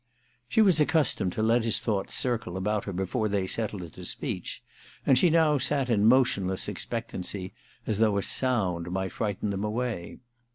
She was accustomed to let his thoughts circle about her before they settled into speech, and she now sat in motionless expectancy, as though a sound might frighten them away.